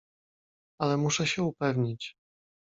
"Ale muszę się upewnić."